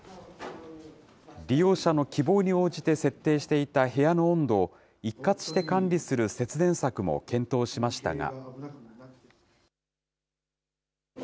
利用者の希望に応じて設定していた部屋の温度を、一括して管理する節電策も検討しましたが。